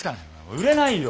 売れないよ。